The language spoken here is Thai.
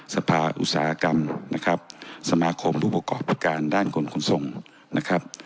สภาอุตสาหกรรมนะครับสมาคมผู้ประกอบการด้านคนขนส่งนะครับ